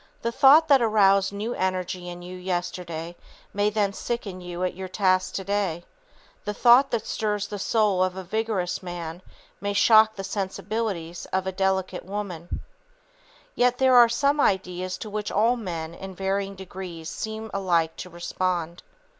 The thought that aroused new energy in you yesterday may then sicken you at your task today. The thought that stirs the soul of a vigorous man may shock the sensibilities of a delicate woman. [Sidenote: How to Exalt the Personality] Yet there are some ideas to which all men in varying degrees seem alike to respond.